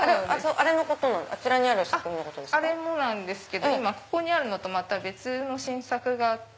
あれもなんですけどここにあるのと別の新作があって。